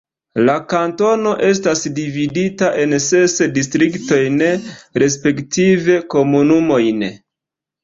La kantono estas dividita en ses distriktojn respektive komunumojn.